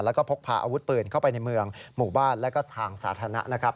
แล้วก็พกพาอาวุธปืนเข้าไปในเมืองหมู่บ้านและก็ทางสาธารณะนะครับ